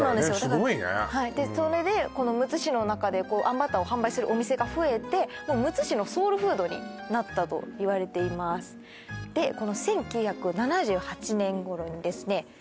すごいねでそれでこのむつ市の中であんバターを販売するお店が増えてむつ市のソウルフードになったといわれていますで１９７８年ごろにですね